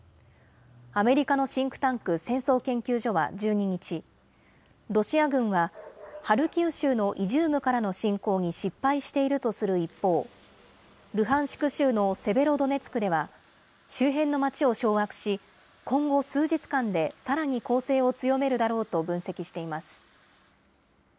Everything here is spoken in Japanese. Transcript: アメリカのシンクタンク、戦争研究所は１２日、ロシア軍はハルキウ州のイジュームからの侵攻に失敗しているとする一方、ルハンシク州のセベロドネツクでは、周辺の町を掌握し、今後、数日間でさらに攻勢を強めるだろうと分析しています。